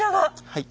はい。